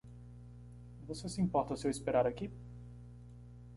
Você se importa se eu esperar aqui?